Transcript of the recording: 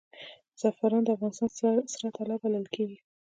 زعفران د افغانستان سره طلا بلل کیږي